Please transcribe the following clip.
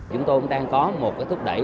chúng tôi đang có một thúc đẩy